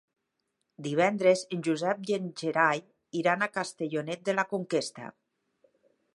Divendres en Josep i en Gerai iran a Castellonet de la Conquesta.